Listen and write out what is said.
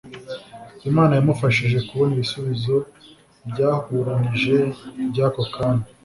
Imana yamufashije kubona ibisubizo byahuranije by'ako kanya,